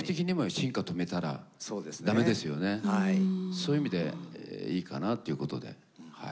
そういう意味でいいかなっていうことではい。